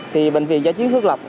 thì bệnh viện giải trí thức lập